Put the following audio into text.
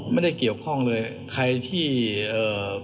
ไม่ได้เกี่ยวข้องเลยใครที่เอ่อ